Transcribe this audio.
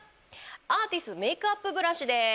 アーティスメイクアップブラシです。